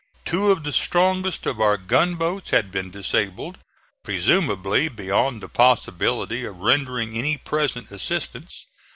Two of the strongest of our gunboats had been disabled, presumably beyond the possibility of rendering any present assistance.